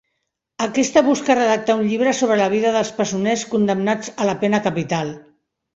Aquesta busca redactar un llibre sobre la vida dels presoners condemnats a la pena capital.